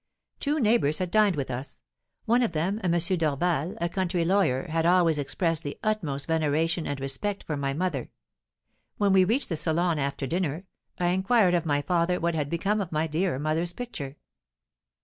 Two neighbours had dined with us. One of them, a M. Dorval, a country lawyer, had always expressed the utmost veneration and respect for my mother. When we reached the salon after dinner, I inquired of my father what had become of my dear mother's picture.